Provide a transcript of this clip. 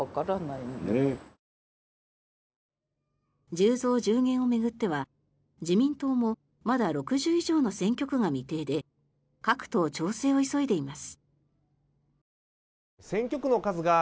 １０増１０減を巡っては自民党もまだ６０以上の選挙区が未定で各党、調整を急いでいます。